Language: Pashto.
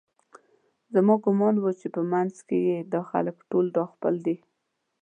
زما ګومان و چې په منځ کې یې دا خلک ټول راخپل دي